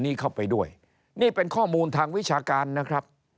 เข้าไปด้วยนี่เป็นข้อมูลทางวิชาการนะครับ